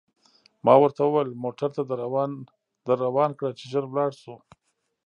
ما ورته وویل: موټر ته در روان کړه، چې ژر ولاړ شو.